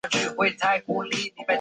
查孜乡是的一个乡镇级行政单位。